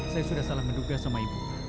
saya sudah salah menduga sama ibu